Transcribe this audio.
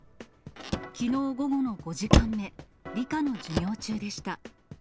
きのう午後の５時間目、理科の授業中でした。